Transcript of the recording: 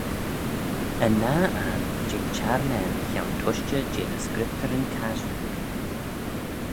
Yn nah ayrn jeh'n çharmane mychione tushtey jeh ny Scriptyryn Casherick.